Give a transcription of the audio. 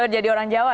jadi orang jawa ya